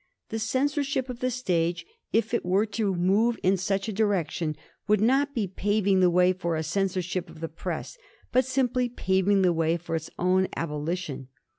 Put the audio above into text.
The censorship of the stage, if it were to move in such a direction, would not be paving the way for a censorship of the press, but simply paving the way for its own abolition.